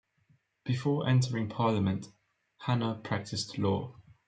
Before entering Parliament, Hanna practised law.